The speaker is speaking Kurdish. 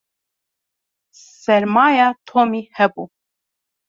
Sermaya Tomî hebû.